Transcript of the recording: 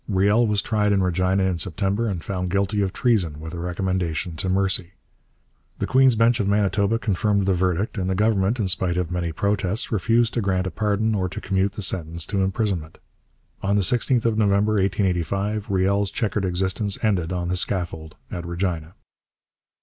Riel was tried in Regina in September, and found guilty of treason, with a recommendation to mercy. The Queen's Bench of Manitoba confirmed the verdict, and the Government, in spite of many protests, refused to grant a pardon or to commute the sentence to imprisonment. On the 16th of November 1885 Riel's chequered existence ended on the scaffold at Regina.